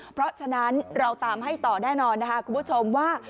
เพราะฉะนั้นเราตามให้ต่อแน่นอนนะคะคุณผู้ชมว่า